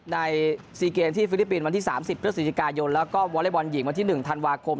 ใน๔เกมที่ฟิลิปปินส์วันที่๓๐พฤศจิกายนแล้วก็วอเล็กบอลหญิงวันที่๑ธันวาคม